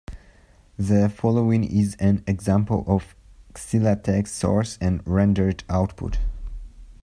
The following is an example of XeLaTeX source and rendered output.